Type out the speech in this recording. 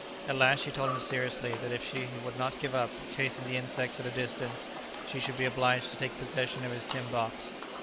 At last she told him seriously that if he would not give up chasing the insects at a distance, she should be obliged to take possession of his tin box.